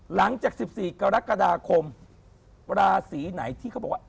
หลังจาก๑๔กรกฎาคมราศีไหนที่เขาบอกว่า